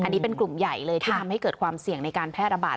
อันนี้เป็นกลุ่มใหญ่เลยที่ทำให้เกิดความเสี่ยงในการแพร่ระบาด